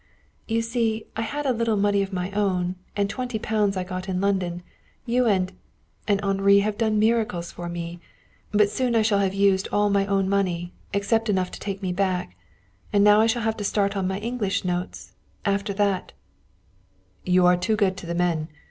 "You see I had a little money of my own, and twenty pounds I got in London. You and and Henri have done miracles for me. But soon I shall have used all my own money, except enough to take me back. And now I shall have to start on my English notes. After that " "You are too good to the men.